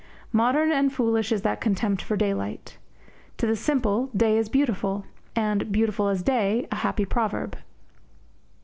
Modern and foolish is that contempt for daylight. To the simple, day is beautiful; and "beautiful as day" a happy proverb.